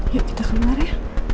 ya kita kemarin